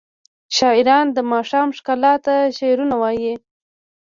شاعران د ماښام ښکلا ته شعرونه وايي.